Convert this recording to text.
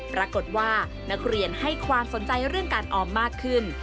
ปรากฏว่านักเรียนให้ความสนใจเรื่องการออมมากขึ้น